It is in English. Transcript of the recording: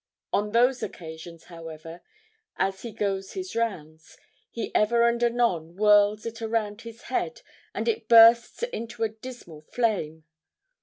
On those occasions, however, as he goes his rounds, he ever and anon whirls it around his head, and it bursts into a dismal flame.